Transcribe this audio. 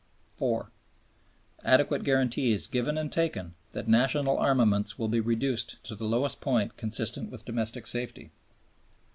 (4). "Adequate guarantees given and taken that national armaments will be reduced to the lowest point consistent with domestic safety."